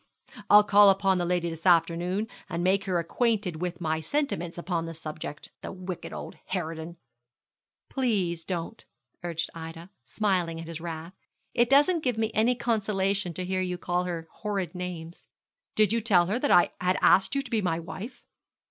I'll call upon the lady this afternoon, and make her acquainted with my sentiments upon the subject. The wicked old harridan.' 'Please don't,' urged Ida, smiling at his wrath; 'it doesn't give me any consolation to hear you call her horrid names.' 'Did you tell her that I had asked you to be my wife?'